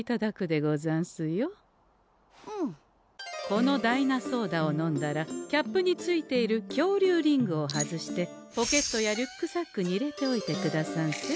このダイナソーダを飲んだらキャップについているきょうりゅうリングを外してポケットやリュックサックに入れておいてくださんせ。